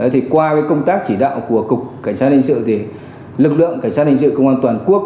thì qua công tác chỉ đạo của cục cảnh sát hình sự thì lực lượng cảnh sát hình sự công an toàn quốc